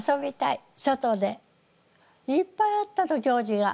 いっぱいあったの行事が。